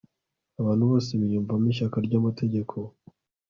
abantu bose biyumvamo ishyaka ry'amategeko